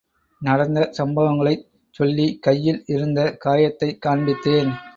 நடந்த சம்பவங்களைச் சொல்லிக் கையில் இருந்த காயத்தைக் காண்பித்தேன்.